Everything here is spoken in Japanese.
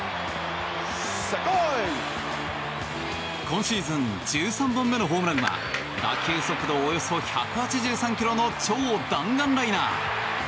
今シーズン１３本目のホームランは打球速度およそ１８３ｋｍの超弾丸ライナー。